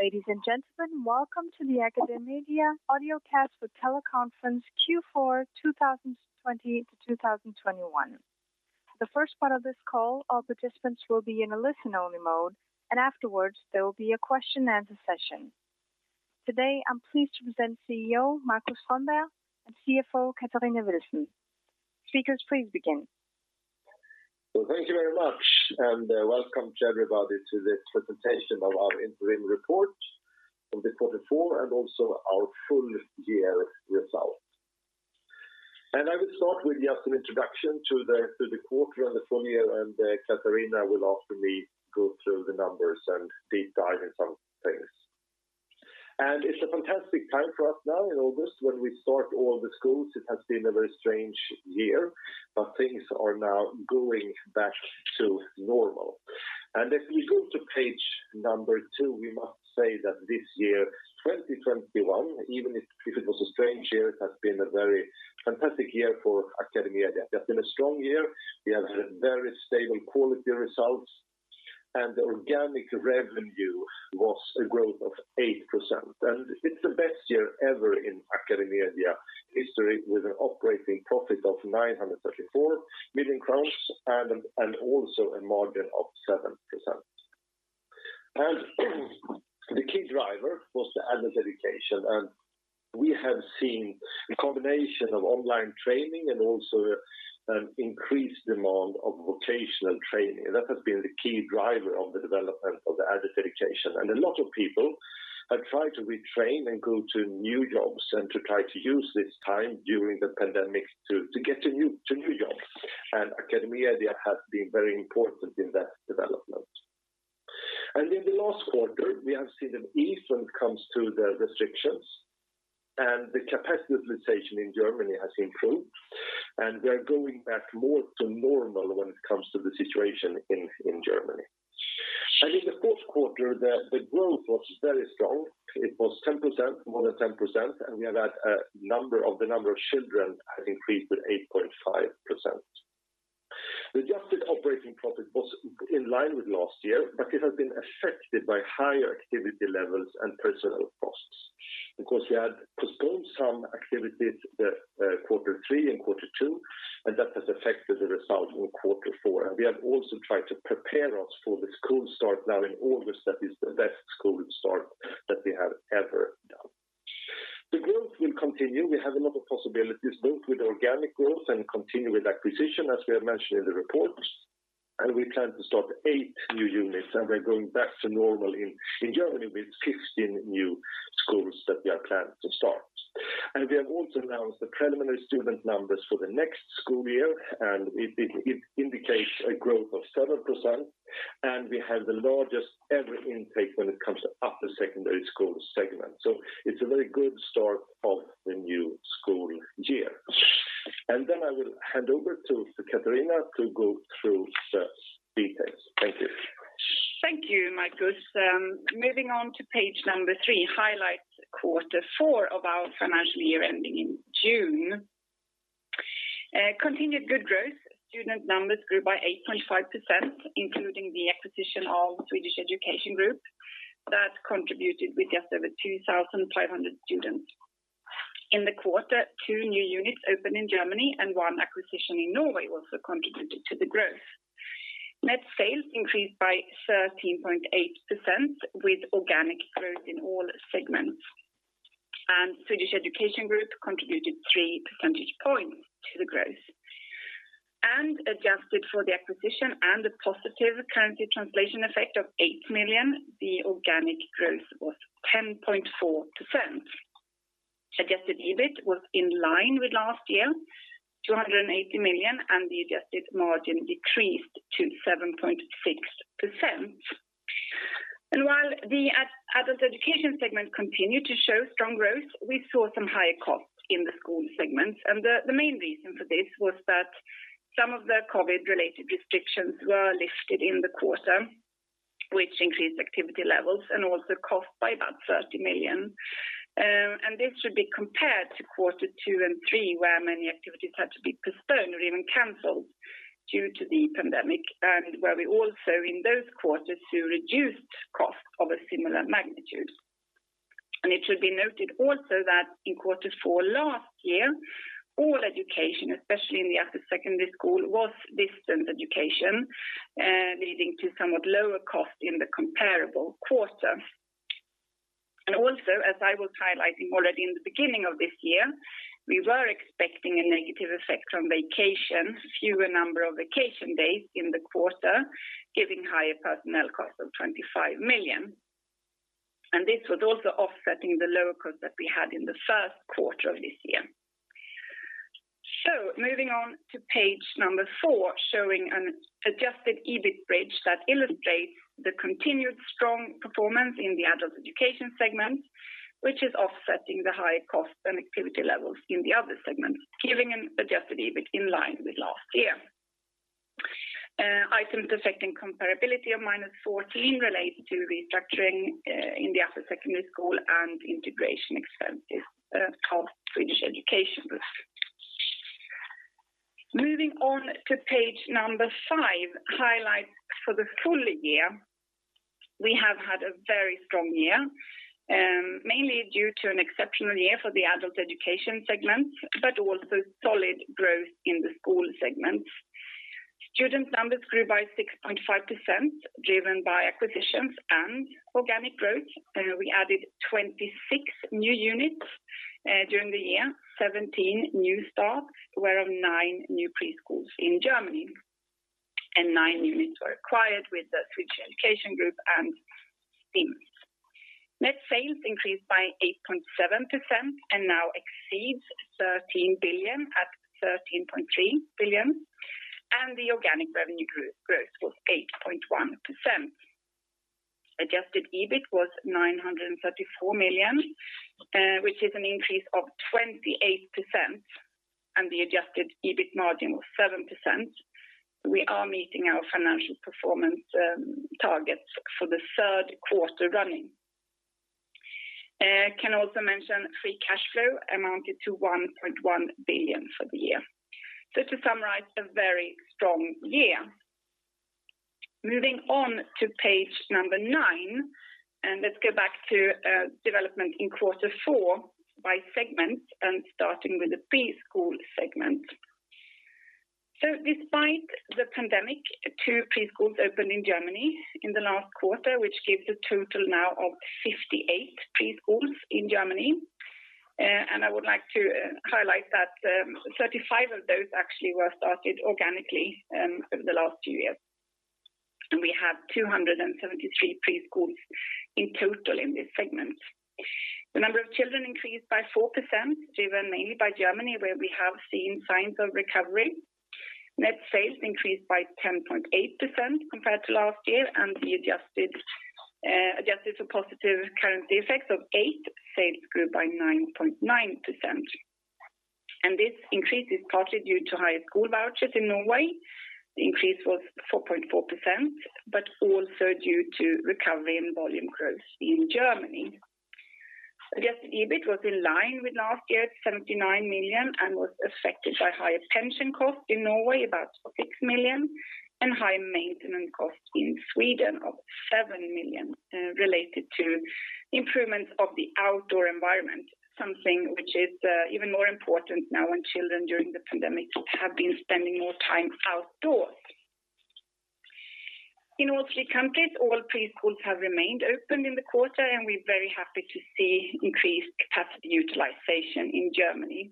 Ladies and gentlemen, welcome to the AcadeMedia Audiocast for Teleconference Q4 2020 to 2021. The first part of this call, all participants will be in a listen-only mode, and afterwards, there will be a question and answer session. Today, I'm pleased to present CEO, Marcus Strömberg, and CFO, Katarina Wilson. Speakers, please begin. Thank you very much, welcome to everybody to this presentation of our interim report for the quarter four and also our full-year results. I will start with just an introduction to the quarter and the full year, Katarina will after me go through the numbers and deep dive in some things. It's a fantastic time for us now in August when we start all the schools. It has been a very strange year, things are now going back to normal. If we go to page two, we must say that this year, 2021, even if it was a strange year, it has been a very fantastic year for AcadeMedia. It has been a strong year. We have had very stable quality results, organic revenue was a growth of 8%. It's the best year ever in AcadeMedia history with an operating profit of 934 million crowns and also a margin of 7%. The key driver was the adult education, and we have seen a combination of online training and also an increased demand of vocational training. That has been the key driver of the development of the adult education. A lot of people have tried to retrain and go to new jobs and to try to use this time during the pandemic to get to new jobs. AcadeMedia has been very important in that development. In the last quarter, we have seen an ease when it comes to the restrictions, and the capacity utilization in Germany has improved, and we are going back more to normal when it comes to the situation in Germany. In the fourth quarter, the growth was very strong. It was more than 10%, and we have had the number of children has increased with 8.5%. The adjusted operating profit was in line with last year, but it has been affected by higher activity levels and personnel costs. We had postponed some activities quarter three and quarter two, and that has affected the result in quarter four. We have also tried to prepare us for the school start now in August. That is the best school start that we have ever done. The growth will continue. We have a lot of possibilities, both with organic growth and continued acquisition, as we have mentioned in the report. We plan to start eight new units, and we're going back to normal in Germany with 16 new schools that we have planned to start. We have also announced the preliminary student numbers for the next school year, and it indicates a growth of 7%, and we have the largest ever intake when it comes to after secondary school segment. It's a very good start of the new school year. I will hand over to Katarina to go through the details. Thank you. Thank you, Marcus. Moving on to page number three, highlights quarter four of our financial year ending in June. Continued good growth. Student numbers grew by 8.5%, including the acquisition of Swedish Education Group. That contributed with just over 2,500 students. In the quarter, two new units opened in Germany and one acquisition in Norway also contributed to the growth. Net sales increased by 13.8% with organic growth in all segments. Swedish Education Group contributed 3 percentage points to the growth. Adjusted for the acquisition and the positive currency translation effect of 8 million, the organic growth was 10.4%. Adjusted EBIT was in line with last year, 280 million, and the adjusted margin decreased to 7.6%. While the adult education segment continued to show strong growth, we saw some higher costs in the school segments. The main reason for this was that some of the COVID-related restrictions were lifted in the quarter, which increased activity levels and also cost by about 30 million. This should be compared to Q2 and Q3, where many activities had to be postponed or even canceled due to the pandemic, and where we also in those quarters saw reduced cost of a similar magnitude. It should be noted also that in Q4 last year, all education, especially in the after secondary school, was distance education, leading to somewhat lower cost in the comparable quarter. Also, as I was highlighting already in the beginning of this year, we were expecting a negative effect on vacation, fewer number of vacation days in the quarter, giving higher personnel cost of 25 million. This was also offsetting the lower cost that we had in the first quarter of this year. Moving on to page number four, showing an adjusted EBIT bridge that illustrates the continued strong performance in the adult education segment, which is offsetting the high cost and activity levels in the other segments, giving an adjusted EBIT in line with last year. Items affecting comparability of -14 related to restructuring in the after secondary school and integration expenses of Swedish Education Group. Moving on to page number five, highlights for the full year. We have had a very strong year, mainly due to an exceptional year for the adult education segment, but also solid growth in the school segment. Student numbers grew by 6.5%, driven by acquisitions and organic growth. We added 26 new units during the year, 17 new starts, whereof nine new preschools in Germany, and nine units were acquired with the Swedish Education Group and STIMS. Now exceeds 13 billion at 13.3 billion, and the organic revenue growth was 8.1%. Adjusted EBIT was 934 million, which is an increase of 28%. The adjusted EBIT margin was 7%. We are meeting our financial performance targets for the third quarter running. I can also mention free cash flow amounted to 1.1 billion for the year. To summarize, a very strong year. Moving on to page number nine. Let's go back to development in quarter four by segment. Starting with the preschool segment. Despite the pandemic, two preschools opened in Germany in the last quarter, which gives a total now of 58 preschools in Germany. I would like to highlight that 35 of those actually were started organically over the last few years. We have 273 preschools in total in this segment. The number of children increased by 4%, driven mainly by Germany, where we have seen signs of recovery. Net sales increased by 10.8% compared to last year, and adjusted for positive currency effects of 8, sales grew by 9.9%. This increase is partly due to higher school vouchers in Norway. The increase was 4.4%, but also due to recovery in volume growth in Germany. Adjusted EBIT was in line with last year at 79 million and was affected by higher pension costs in Norway, about 6 million, and high maintenance costs in Sweden of 7 million related to improvements of the outdoor environment. Something which is even more important now when children during the pandemic have been spending more time outdoors. In all three countries, all preschools have remained open in the quarter, and we're very happy to see increased capacity utilization in Germany.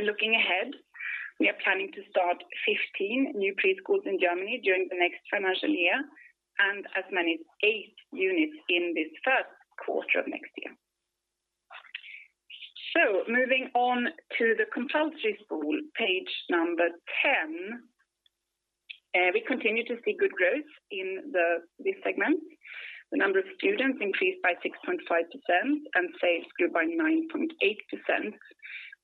Looking ahead, we are planning to start 15 new preschools in Germany during the next financial year and as many as eight units in this first quarter of next year. Moving on to the compulsory school, page number 10. We continue to see good growth in this segment. The number of students increased by 6.5%, and sales grew by 9.8%,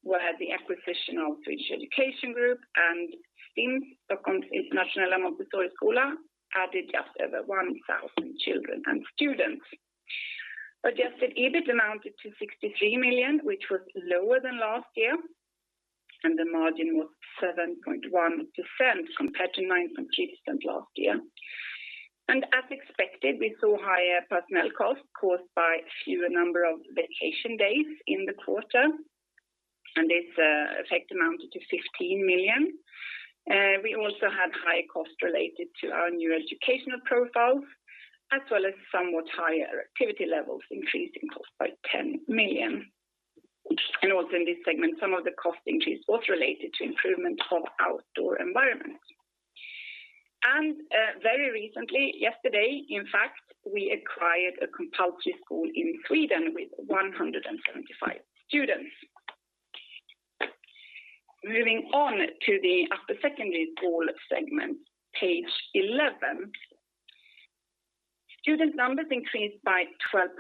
where the acquisition of Swedish Education Group and STIMS, Stockholms Internationella Montessoriskola, added just over 1,000 children and students. Adjusted EBIT amounted to 63 million, which was lower than last year, and the margin was 7.1% compared to 9.2% last year. As expected, we saw higher personnel costs caused by a fewer number of vacation days in the quarter, and this effect amounted to 15 million. We also had higher costs related to our new educational profile, as well as somewhat higher activity levels increasing costs by 10 million. Also in this segment, some of the cost increase was related to improvement of outdoor environment. Very recently, yesterday in fact, we acquired a compulsory school in Sweden with 175 students. Moving on to the after-secondary school segment, page 11. Student numbers increased by 12.6%,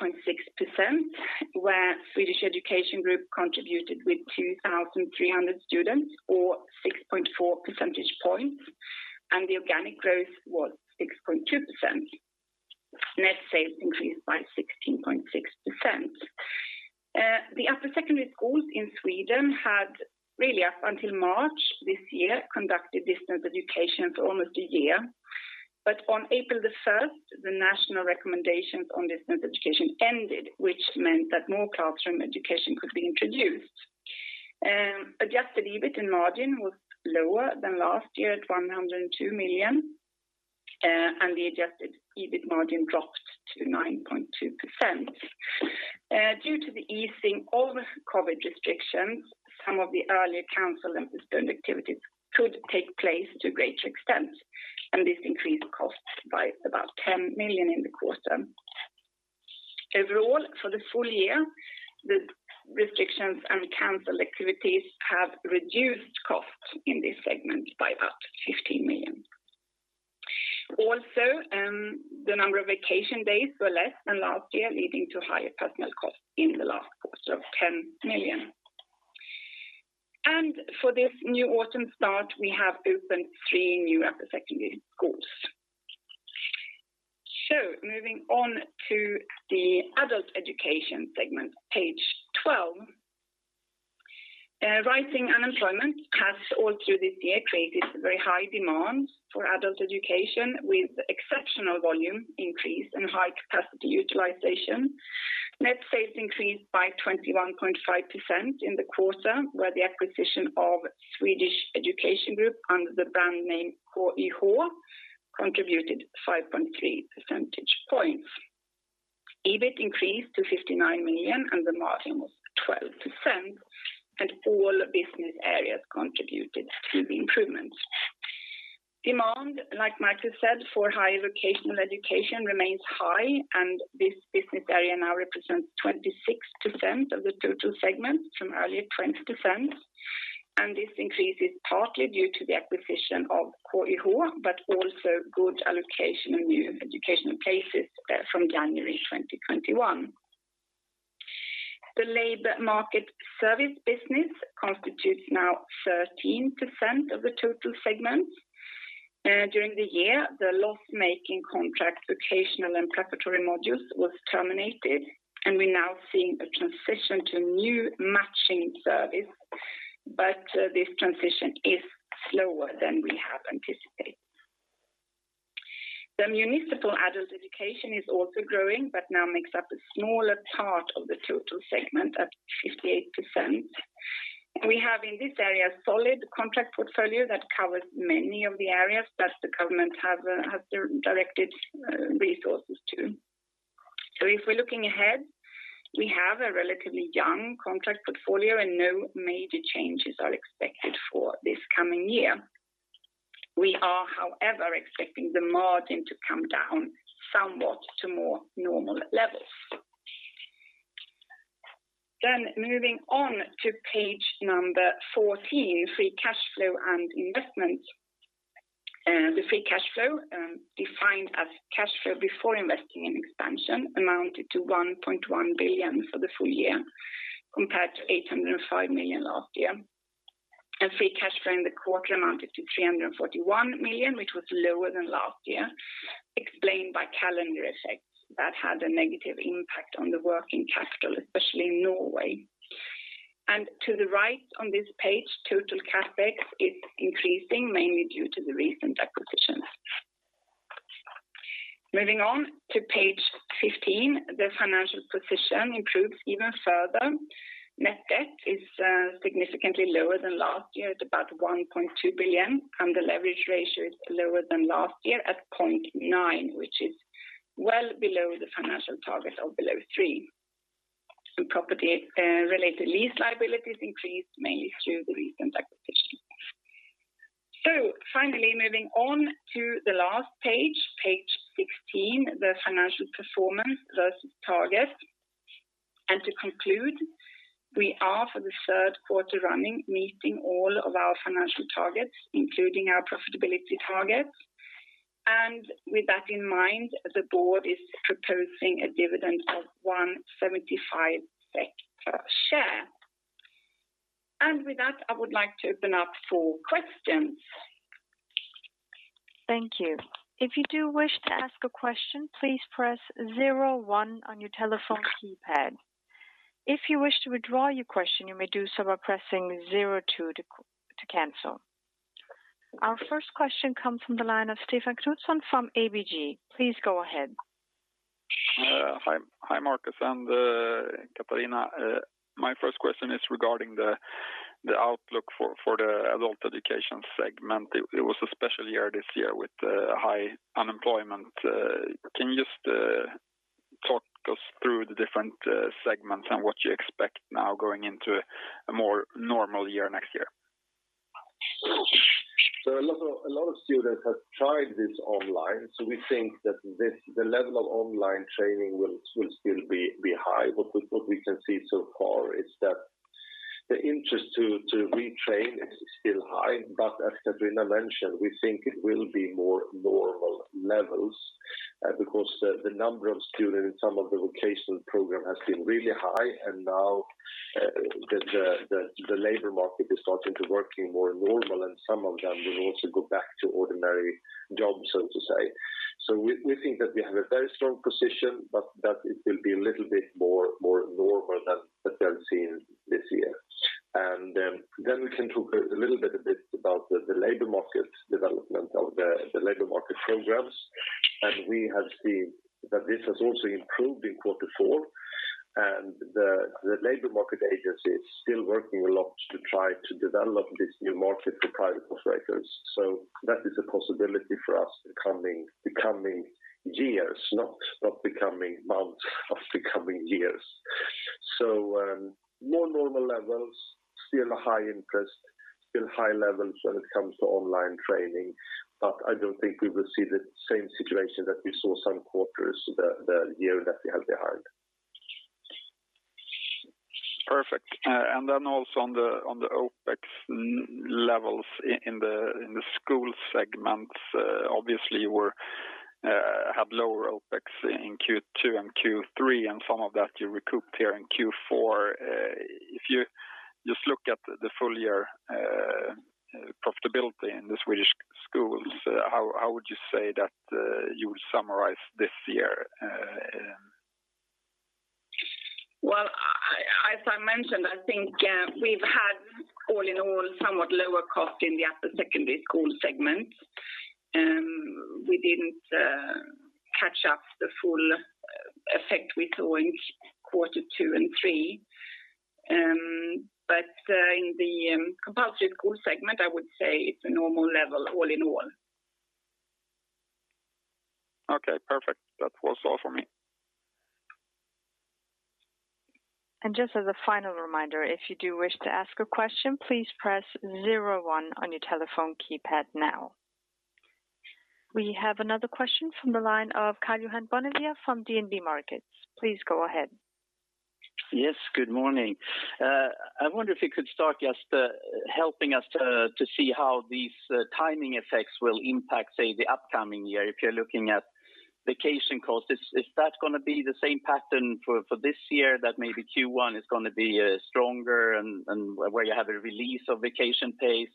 where Swedish Education Group contributed with 2,300 students or 6.4 percentage points, and the organic growth was 6.2%. Net sales increased by 16.6%. The after-secondary schools in Sweden had really up until March this year, conducted distance education for almost a year. On April 1st, the national recommendations on distance education ended, which meant that more classroom education could be introduced. Adjusted EBIT and margin was lower than last year at 102 million, and the adjusted EBIT margin dropped to 9.2%. Due to the easing of COVID restrictions, some of the earlier canceled and postponed activities could take place to a greater extent, and this increased costs by about 10 million in the quarter. Overall, for the full year, the restrictions and canceled activities have reduced costs in this segment by about 15 million. Also, the number of vacation days were less than last year, leading to higher personnel costs in the last quarter of 10 million. For this new autumn start, we have opened three new after-secondary schools. Moving on to the adult education segment, page 12. Rising unemployment has all through this year created very high demand for adult education with exceptional volume increase and high capacity utilization. Net sales increased by 21.5% in the quarter, where the acquisition of Swedish Education Group under the brand name KYH contributed 5.3 percentage points. EBIT increased to 59 million, the margin was 12%, and all business areas contributed to the improvements. Demand, like Marcus said, for higher vocational education remains high. This business area now represents 26% of the total segment from earlier 20%. This increase is partly due to the acquisition of KYH, but also good allocation of new educational places from January 2021. The labor market service business constitutes now 13% of the total segment. During the year, the loss-making contract vocational and preparatory modules was terminated. We're now seeing a transition to new matching service. This transition is slower than we had anticipated. The municipal adult education is also growing, now makes up a smaller part of the total segment at 58%. We have in this area a solid contract portfolio that covers many of the areas that the government has directed resources to. If we're looking ahead, we have a relatively young contract portfolio, and no major changes are expected for this coming year. We are, however, expecting the margin to come down somewhat to more normal levels. Moving on to page number 14, free cash flow and investment. The free cash flow, defined as cash flow before investing in expansion, amounted to 1.1 billion for the full year compared to 805 million last year. Free cash flow in the quarter amounted to 341 million, which was lower than last year, explained by calendar effects that had a negative impact on the working capital, especially in Norway. To the right on this page, total CapEx is increasing mainly due to the recent acquisitions. Moving on to page 15, the financial position improves even further. Net debt is significantly lower than last year at about 1.2 billion. The leverage ratio is lower than last year at 0.9x, which is well below the financial target of below 3x. Property-related lease liabilities increased mainly through the recent acquisitions. Finally, moving on to the last page 16, the financial performance versus targets. To conclude, we are for the third quarter running, meeting all of our financial targets, including our profitability targets. With that in mind, the board is proposing a dividend of 1.75 SEK per share. With that, I would like to open up for questions. Thank you. If you do wish to ask a question, please press zero one on your telephone keypad. If you wish to withdraw your question, you may do so by pressing zero two to cancel. Our first question comes from the line of Stefan Knutsson from ABG. Please go ahead. Hi, Marcus and Katarina. My first question is regarding the outlook for the adult education segment. It was a special year this year with high unemployment. Can you just talk us through the different segments and what you expect now going into a more normal year next year? A lot of students have tried this online. We think that the level of online training will still be high. What we can see so far is that the interest to retrain is still high. As Katarina mentioned, we think it will be more normal levels because the number of students in some of the vocational program has been really high, and now the labor market is starting to working more normal, and some of them will also go back to ordinary jobs so to say. We think that we have a very strong position, but that it will be a little bit more normal than seen this year. We can talk a little bit about the labor market development of the labor market programs. We have seen that this has also improved in Q4, and the labor market agency is still working a lot to try to develop this new market for private operators. That is a possibility for us the coming years, not coming months, of the coming years. More normal levels, still high interest, still high levels when it comes to online training, but I don't think we will see the same situation that we saw some quarters the year that we had behind. Perfect. Also on the OpEx levels in the school segments, obviously you had lower OpEx in Q2 and Q3, and some of that you recouped here in Q4. If you just look at the profitability in the Swedish schools, how would you say that you would summarize this year? Well, as I mentioned, I think we've had all in all, somewhat lower cost in the upper secondary school segment. We didn't catch up the full effect we saw in quarter two and three. In the compulsory school segment, I would say it's a normal level all in all. Okay, perfect. That was all for me. Just as a final reminder, if you do wish to ask a question, please press zero one on your telephone keypad now. We have another question from the line of Karl-Johan Bonnevier from DNB Markets. Please go ahead. Yes, good morning. I wonder if you could start just helping us to see how these timing effects will impact, say, the upcoming year. If you're looking at vacation costs, is that going to be the same pattern for this year? That maybe Q1 is going to be stronger and where you have a release of vacation pays?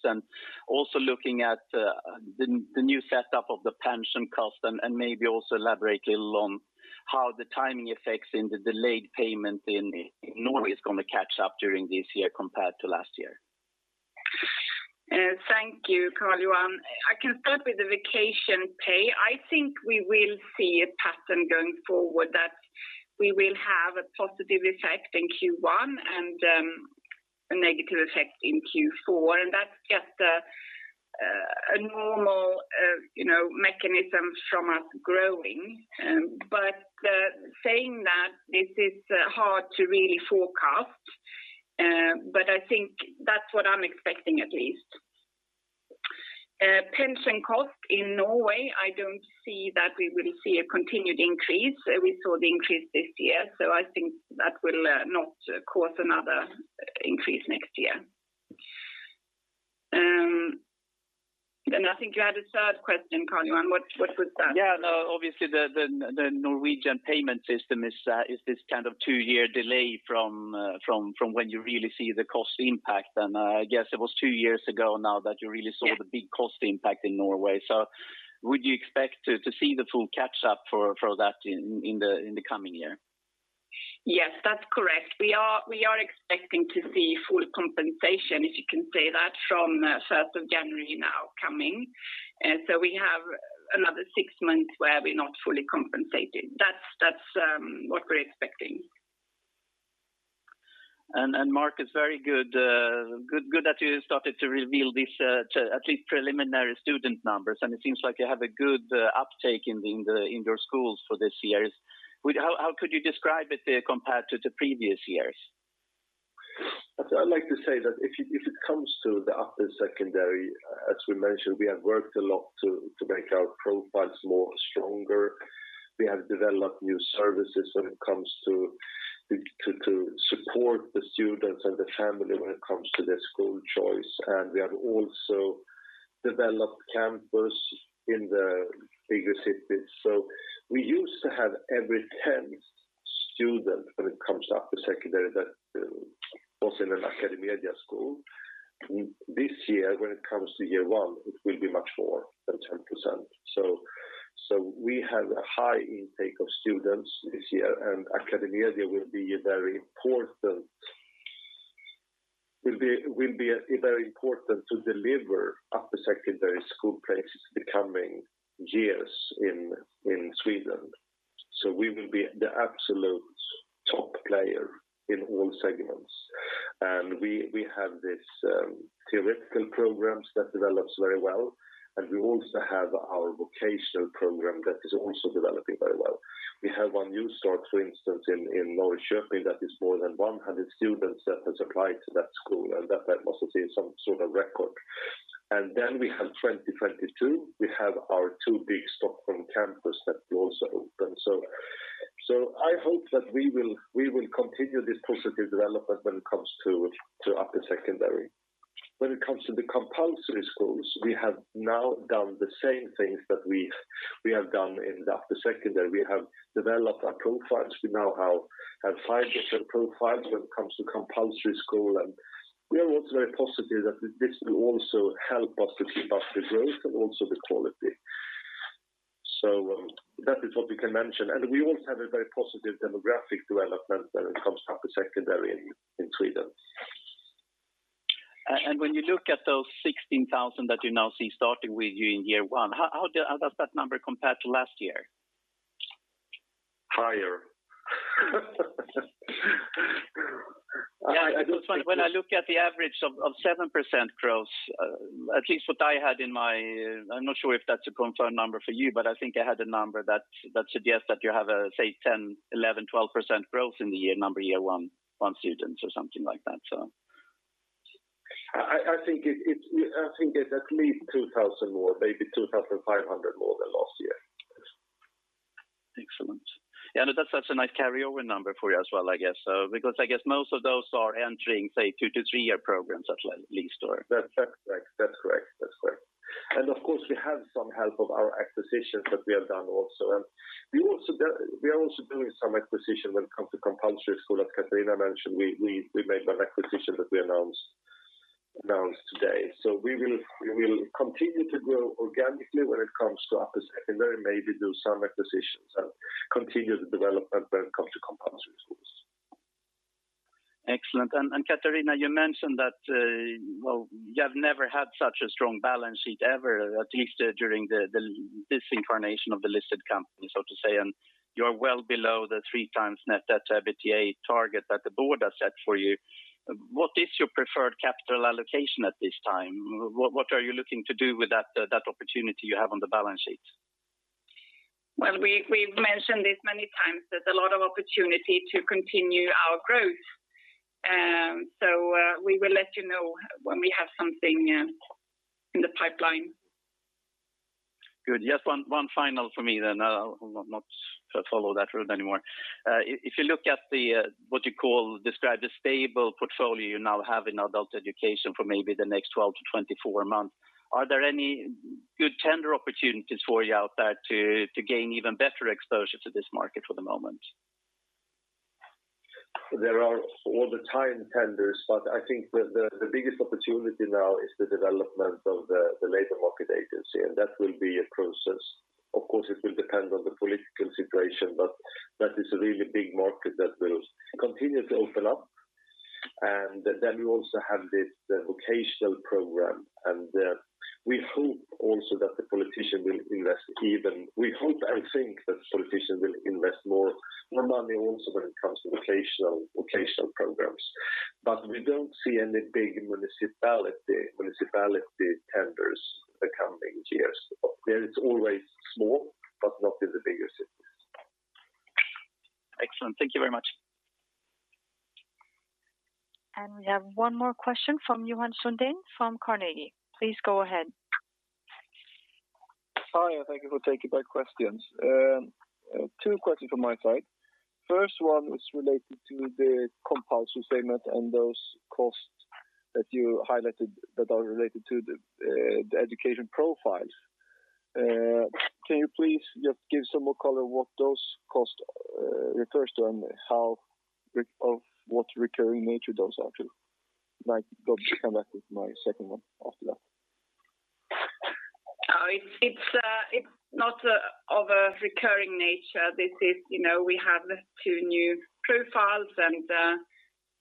Also looking at the new setup of the pension cost and maybe also elaborate a little on how the timing effects in the delayed payment in Norway is going to catch up during this year compared to last year. Thank you, Karl-Johan. I can start with the vacation pay. I think we will see a pattern going forward that we will have a positive effect in Q1 and a negative effect in Q4. That's just a normal mechanism from us growing. Saying that, this is hard to really forecast. I think that's what I'm expecting at least. Pension cost in Norway, I don't see that we will see a continued increase. We saw the increase this year, so I think that will not cause another increase next year. I think you had a third question, Karl-Johan. What was that? Yeah, no, obviously the Norwegian payment system is this kind of two-year delay from when you really see the cost impact. I guess it was two years ago now that you really saw- Yeah. ...the big cost impact in Norway. Would you expect to see the full catch-up for that in the coming year? Yes, that's correct. We are expecting to see full compensation, if you can say that from 1st of January now coming. We have another six months where we're not fully compensated. That's what we're expecting. Marcus, very good that you started to reveal these at least preliminary student numbers, and it seems like you have a good uptake in your schools for this year. How could you describe it compared to the previous years? I'd like to say that if it comes to the upper secondary, as we mentioned, we have worked a lot to make our profiles more stronger. We have developed new services when it comes to support the students and the family when it comes to their school choice. We have also developed campus in the bigger cities. We used to have every 10 students, when it comes to upper secondary, that was in an AcadeMedia school. This year, when it comes to year one, it will be much more than 10%. We have a high intake of students this year, and AcadeMedia will be very important to deliver upper secondary school places the coming years in Sweden. We will be the absolute top player in all segments. We have this theoretical programs that develops very well, and we also have our vocational program that is also developing very well. We have one new start, for instance, in Norrköping that is more than 100 students that has applied to that school, and that must have been some sort of record. We have 2022, we have our two big Stockholm campus that will also open. I hope that we will continue this positive development when it comes to upper secondary. When it comes to the compulsory schools, we have now done the same things that we have done in the upper secondary. We have developed our profiles. We now have five different profiles when it comes to compulsory school. We are also very positive that this will also help us to keep up the growth and also the quality. That is what we can mention. We also have a very positive demographic development when it comes to upper secondary in Sweden. When you look at those 16,000 that you now see starting with you in year one, how does that number compare to last year? Higher. Yeah, it's funny. When I look at the average of 7% growth, at least what I had. I'm not sure if that's a confirmed number for you, I think I had a number that suggests that you have, say, 10%, 11%, 12% growth in the year number year one students or something like that. I think it's at least 2,000 more, maybe 2,500 more than last year. Excellent. Yeah, that's a nice carryover number for you as well, I guess. I guess most of those are entering, say, two to three-year programs at least. That's correct. Of course, we have some help of our acquisitions that we have done also. We are also doing some acquisition when it comes to compulsory school, as Katarina mentioned, we made an acquisition that we announced today. We will continue to grow organically when it comes to upper secondary, maybe do some acquisitions and continue the development when it comes to compulsory schools. Excellent. Katarina, you mentioned that you have never had such a strong balance sheet ever, at least during this incarnation of the listed company, so to say, you're well below the 3x net debt to EBITDA target that the board has set for you. What is your preferred capital allocation at this time? What are you looking to do with that opportunity you have on the balance sheet? We've mentioned this many times. There's a lot of opportunity to continue our growth. We will let you know when we have something in the pipeline. Good. Just one final from me. I'll not follow that route anymore. If you look at what you describe the stable portfolio you now have in adult education for maybe the next 12, 24 months, are there any good tender opportunities for you out there to gain even better exposure to this market for the moment? There are all the time tenders, but I think the biggest opportunity now is the development of the labor market agency, and that will be a process. Of course, it will depend on the political situation, but that is a really big market that will continue to open up. Then we also have the vocational program, and we hope and think that politicians will invest more money also when it comes to vocational programs. We don't see any big municipality tenders the coming years. There is always small, but not in the bigger cities. Excellent. Thank you very much. We have one more question from Johan Sundén from Carnegie. Please go ahead. Hi, and thank you for taking my questions. Two questions from my side. First one is related to the compulsory segment and those costs that you highlighted that are related to the education profiles. Can you please just give some more color what those cost refers to and of what recurring nature those are too? I will come back with my second one after that. It's not of a recurring nature. We have two new profiles and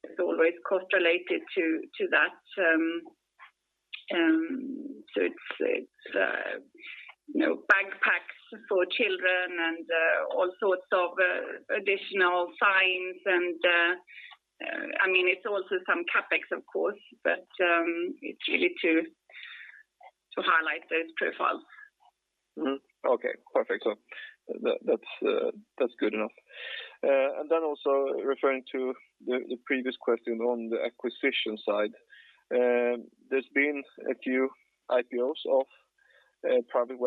it's always cost related to that. It's backpacks for children and all sorts of additional signs and it's also some CapEx, of course, but it's really to highlight those profiles. Okay, perfect. That's good enough. Also referring to the previous question on the acquisition side. There's been a few IPOs of private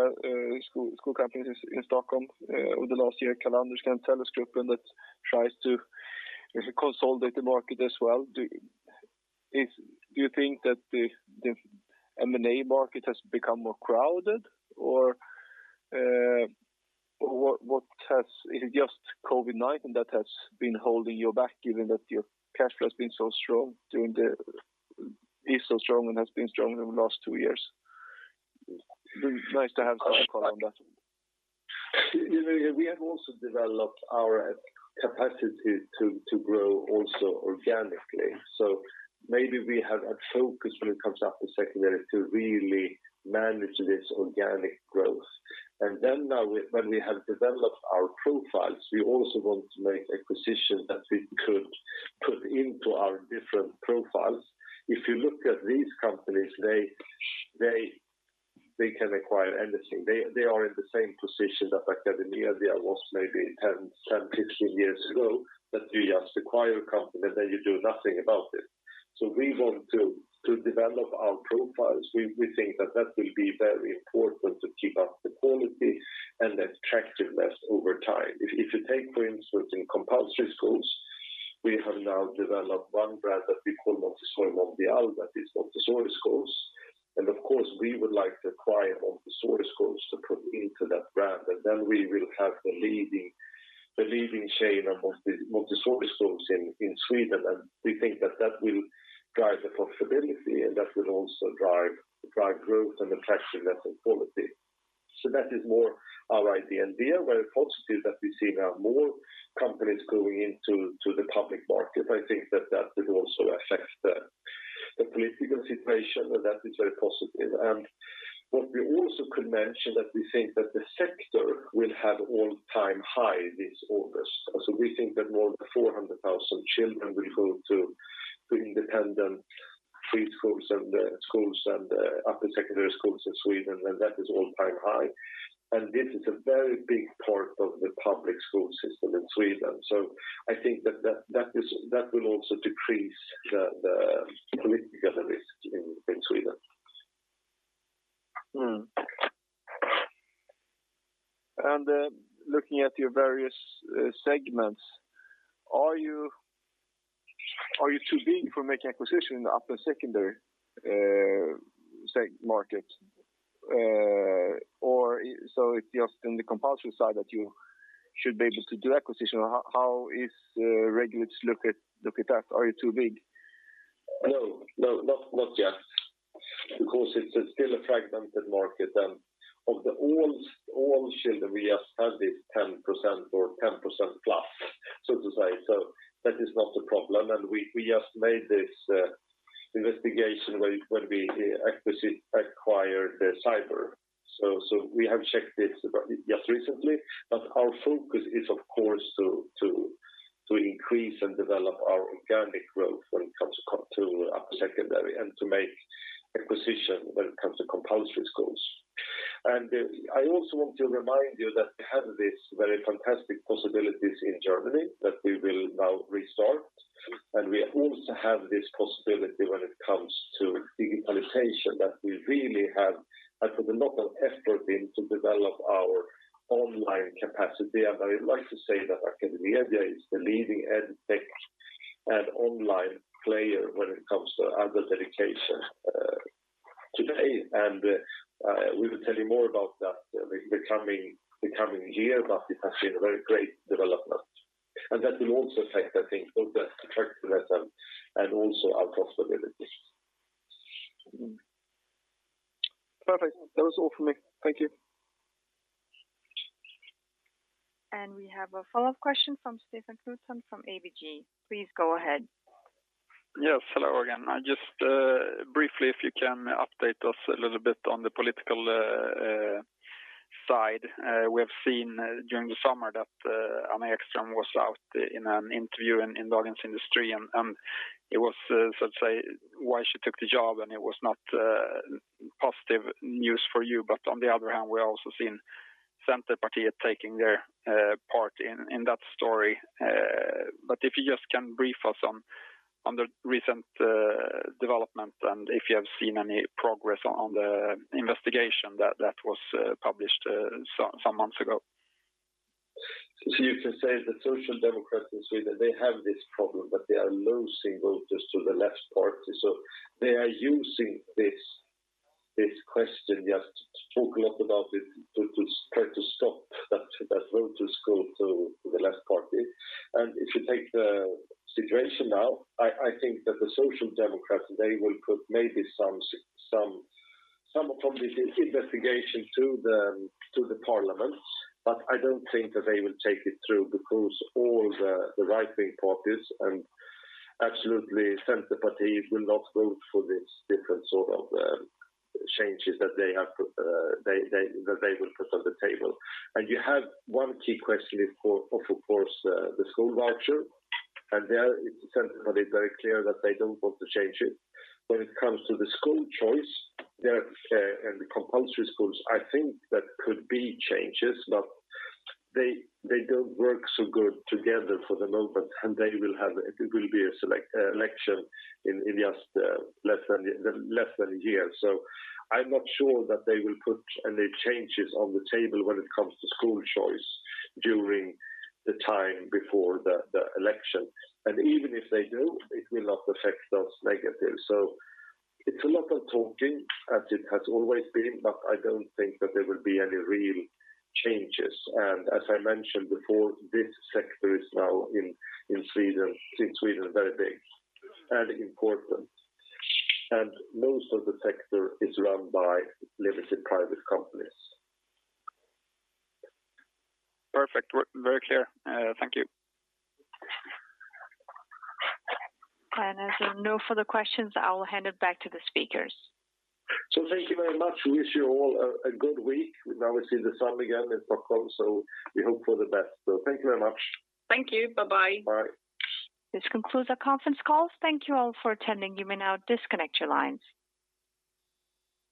school companies in Stockholm over the last year. I can understand Tellusgruppen that tries to consolidate the market as well. Do you think that the M&A market has become more crowded? Is it just COVID-19 that has been holding you back, given that your cash flow is so strong and has been strong over the last two years? It would be nice to have some color on that. We have also developed our capacity to grow also organically. Maybe we have a focus when it comes up with secondary to really manage this organic growth. Now when we have developed our profiles, we also want to make acquisitions that we could put into our different profiles. If you look at these companies, they can acquire anything. They are in the same position that AcadeMedia was maybe 10, 15 years ago, that you just acquire a company, then you do nothing about it. We want to develop our profiles. We think that that will be very important to keep up the quality and attractiveness over time. If you take, for instance, in compulsory schools, we have now developed one brand that we call Montessori Mondial, that is Montessori schools. Of course, we would like to acquire Montessori schools to put into that brand. Then we will have the leading chain of Montessori schools in Sweden. We think that that will drive the profitability, and that will also drive growth and attractiveness and quality. That is more our idea. We're positive that we see now more companies going into the public market. I think that that will also affect the political situation, and that is very positive. What we also could mention that we think that the sector will have all-time high this August. We think that more than 400,000 children will go to independent preschools and upper secondary schools in Sweden. That is all-time high. This is a very big part of the public school system in Sweden. I think that will also decrease the political risk in Sweden. Looking at your various segments, are you too big for making acquisition in the upper secondary state market? It's just in the compulsory side that you should be able to do acquisition? How is regulators look at that? Are you too big? No. Not yet. It's still a fragmented market, and of all children we just have this 10% or 10%+, so to say. That is not a problem. We just made this investigation when we acquired the Cyber. We have checked this just recently, but our focus is, of course, to increase and develop our organic growth when it comes to upper secondary and to make acquisition when it comes to compulsory schools. I also want to remind you that we have these very fantastic possibilities in Germany that we will now restart. We also have this possibility when it comes to digitalization that we really have put a lot of effort in to develop our online capacity. I would like to say that AcadeMedia is the leading EdTech and online player when it comes to adult education today. We will tell you more about that in the coming year. It has been a very great development. That will also affect, I think, both the attractiveness and also our profitability. Perfect. That was all from me. Thank you. We have a follow-up question from Stefan Knutsson from ABG. Please go ahead. Yes. Hello again. Just briefly, if you can update us a little bit on the political side. We have seen during the summer that Anna Ekström was out in an interview in Dagens Industri, and it was, let's say, why she took the job, and it was not positive news for you. On the other hand, we're also seeing Centerpartiet taking their part in that story. If you just can brief us on the recent development and if you have seen any progress on the investigation that was published some months ago. You can say the Social Democrats in Sweden, they have this problem, that they are losing voters to the Left Party. They are using this question, they have spoke a lot about it to try to stop that voters go to the Left Party. If you take the situation now, I think that the Social Democrats, they will put maybe some of this investigation to the parliament, but I don't think that they will take it through because all the right-wing parties, and absolutely Centerpartiet will not vote for this different sort of changes that they will put on the table. You have one key question is of course the school voucher. There, it's Centerpartiet very clear that they don't want to change it. When it comes to the school choice and the compulsory schools, I think that could be changes, but they don't work so good together for the moment, it will be election in just less than a year. I'm not sure that they will put any changes on the table when it comes to school choice during the time before the election. Even if they do, it will not affect us negative. It's a lot of talking as it has always been, I don't think that there will be any real changes. As I mentioned before, this sector is now in Sweden very big and important. Most of the sector is run by limited private companies. Perfect. Very clear. Thank you. As there are no further questions, I will hand it back to the speakers. Thank you very much. Wish you all a good week. We now see the sun again in Stockholm, so we hope for the best. Thank you very much. Thank you. Bye bye. Bye. This concludes our conference call. Thank you all for attending. You may now disconnect your lines.